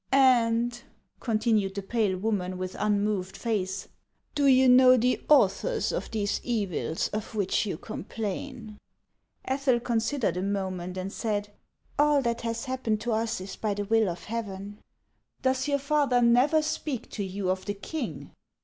•' And," continued the pale woman, •with unmoved face, "do you know the authors of these evils of which you complain ?" Ethel considered a moment, and said :" All that has happened to us is by the will of Heaven." " Does your father never speak to you of the king